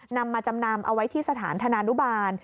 นำมาจำนำเอาไว้ที่สถานธนานุบาล